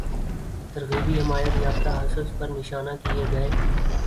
ترغیبی حمایتیافتہ حصص پر نشانہ کیے گئے